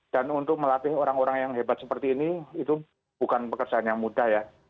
dan untuk melatih orang orang yang hebat seperti ini itu bukan pekerjaan yang mudah ya